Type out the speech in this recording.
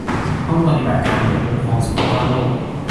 ห้องปฏิบัติการหน่วยคุ้มครองสุขภาพโลก